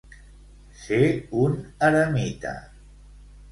Ser un eremita.